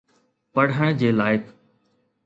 پڙهڻ جي لائق.